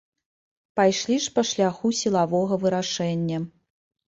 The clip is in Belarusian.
Пайшлі ж па шляху сілавога вырашэння.